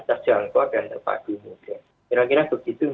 terjangkau dan terpadu